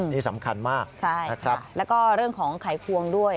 นี่สำคัญมากใช่นะครับแล้วก็เรื่องของไขควงด้วย